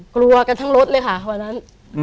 กลัวกันทั้งรถเลยค่ะวันนั้น